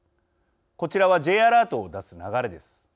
こちらはＪアラートを出す流れです。